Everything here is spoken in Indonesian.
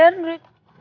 bayar beritanya ya